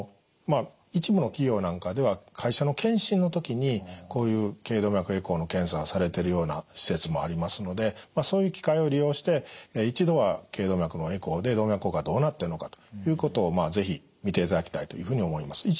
まあ一部の企業なんかでは会社の健診の時にこういう頸動脈エコーの検査されてるような施設もありますのでそういう機会を利用して一度は頸動脈のエコーで動脈硬化はどうなっているのかということをまあ是非見ていただきたいというふうに思います。